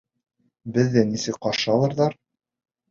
Беҙҙе нисек ҡаршы алырҙар?